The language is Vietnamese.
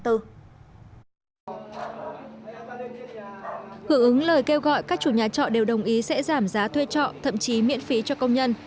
hưởng ứng lời kêu gọi các chủ nhà trọ đều đồng ý sẽ giảm giá thuê trọ thậm chí miễn phí cho công nhân